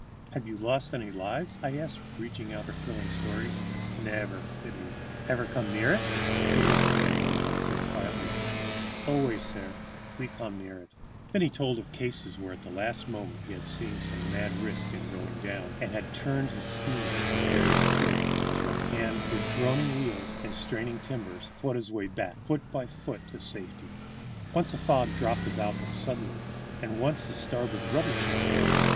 "Have you lost any lives?" I asked, reaching out for thrilling stories. "Nevair," said he. "Ever come near it?" He looked at me a moment, and then said quietly: "Always, sair, we come near it." [Illustration: THE INDIAN PILOTS RESCUE PASSENGERS FROM THE STEAMER ON THE ROCKS.] Then he told of cases where at the last moment he had seen some mad risk in going down, and had turned his steamer in the very throat of the torrent, and, with groaning wheels and straining timbers, fought his way back foot by foot to safety. Once a fog dropped about them suddenly, and once the starboard rudder chain broke.